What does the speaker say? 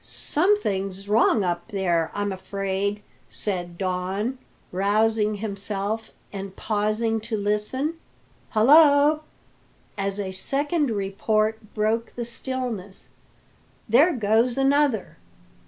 "Something wrong up there, I'm afraid," said Don, rousing himself and pausing to listen. "Hullo!" as a second report broke the stillness, "there goes another!